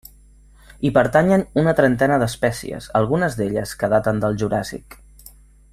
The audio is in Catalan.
Hi pertanyen una trentena d'espècies, algunes d'elles que daten del Juràssic.